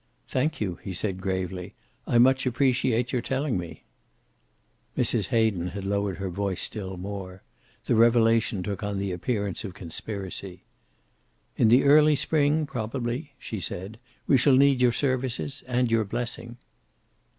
"Thank you," he said gravely. "I much appreciate your telling me." Mrs. Hayden had lowered her voice still more. The revelation took on the appearance of conspiracy. "In the early spring, probably," she said, "we shall need your services, and your blessing."